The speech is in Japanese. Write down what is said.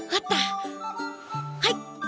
はい。